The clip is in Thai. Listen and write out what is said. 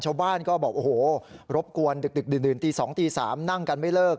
ชาวบ้านก็บอกโอ้โหรบกวนดึกดื่นตี๒ตี๓นั่งกันไม่เลิก